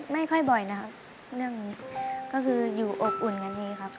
ไม่ค่อยบ่อยนะครับก็คืออยู่อบอุ่นกันดีครับ